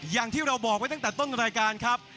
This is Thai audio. อย่างที่เราบอกไว้ตั้งแต่ต้นรายการครับ